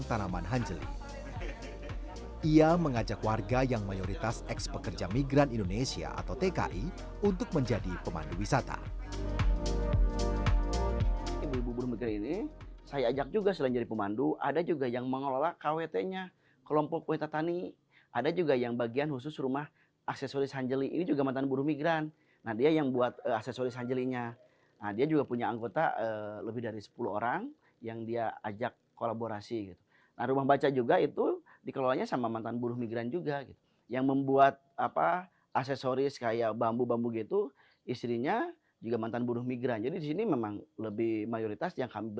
ternyata hanjili tersebut bisa dibuat sebagai aksesoris